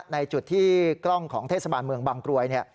ในจุดที่กล้องของเทศบาลเมืองบางกรวย